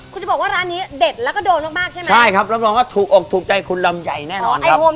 คุณจะบอกว่าร้านนี้เด็ดโดนมากใช่ไหม